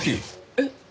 えっ？